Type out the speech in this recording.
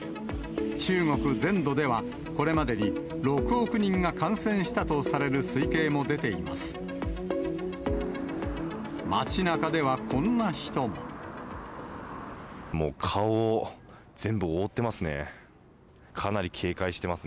中国全土では、これまでに６億人が感染したとされる推計も出ています。